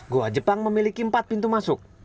goa jepang memiliki empat pintu masuk